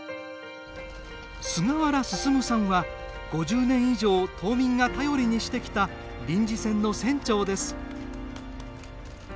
菅原進さんは５０年以上島民が頼りにしてきた臨時船の船長です。